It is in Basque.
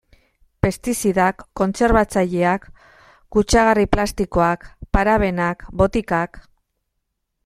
Pestizidak, kontserbatzaileak, kutsagarri plastikoak, parabenak, botikak...